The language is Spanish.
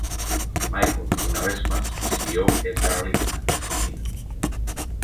Mitchell una vez más siguió el Darling hasta su fin.